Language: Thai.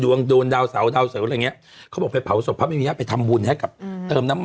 เวียนไปก็จะไปเล่นน้ำ